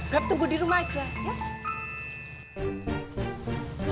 beb tunggu di rumah aja ya